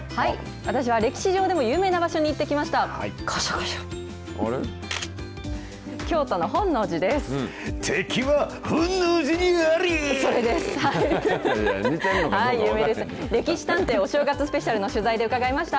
私は歴史上でも有名な場所に行ってきました。